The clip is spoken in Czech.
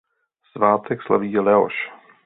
Svátek slaví Leoš.